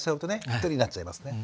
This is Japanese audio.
一人になっちゃいますね